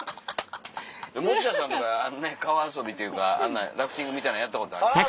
持田さんは川遊びというかラフティングみたいなのやったことあります。